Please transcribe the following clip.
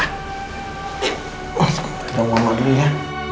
mas kita mau mandiri ya